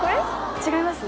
違います？